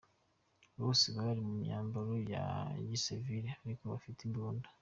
Bose bari mu myambaro ya gisivili ariko bafite imbunda.”